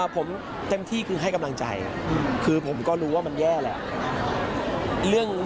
ผมเต็มที่คือให้กำลังใจคือผมก็รู้ว่ามันแย่แหละ